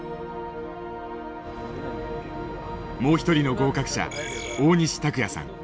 もう一人の合格者大西卓哉さん。